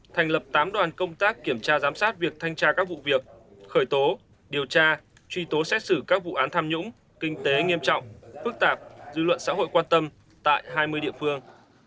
thành lập tám đoàn công tác kiểm tra giám sát việc thanh tra các vụ việc khởi tố điều tra truy tố xét xử các vụ án tham nhũng kinh tế nghiêm trọng phức tạp dư luận xã hội quan tâm tại hai mươi địa phương